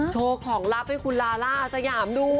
โชว์ของลับให้คุณลาล่าสยามดู